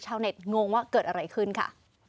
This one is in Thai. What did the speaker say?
ชาวเน็ตงงว่าเกิดอะไรขึ้นค่ะ